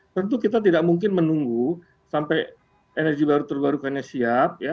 tentu kita tidak mungkin menunggu sampai energi baru terbarukannya siap ya